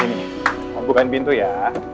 ini mau bukain pintu ya